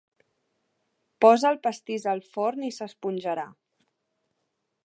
Posa el pastís al forn i s'esponjarà.